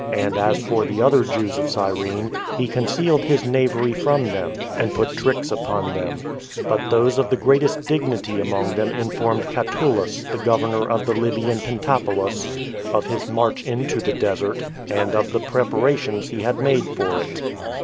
And as for the other Jews of Cyrene, he concealed his knavery from them, and put tricks upon them; but those of the greatest dignity among them informed Catullus, the governor of the Libyan Pentapolis, of his march into the desert, and of the preparations he had made for it.